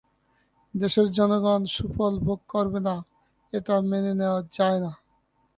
দেশের জনগণ সুফল ভোগ করবে না, এটা মেনে নেওয়া যায় না।